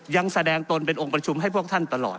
ยังแสดงตนเป็นองค์ประชุมให้พวกท่านตลอด